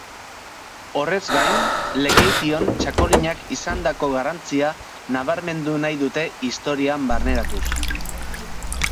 Horrez gain, Lekeition txakolinak izandako garrantzia nabarmendu nahi dute historian barneratuz.